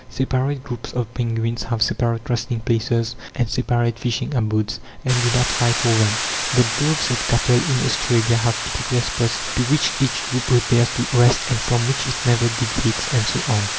Separate groups of penguins have separate resting places and separate fishing abodes, and do not fight for them. The droves of cattle in Australia have particular spots to which each group repairs to rest, and from which it never deviates; and so on.